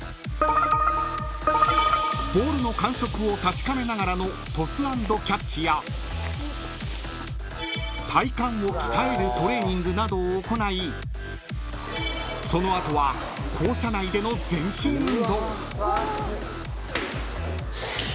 ［ボールの感触を確かめながらのトス＆キャッチや体幹を鍛えるトレーニングなどを行いその後は校舎内での全身運動］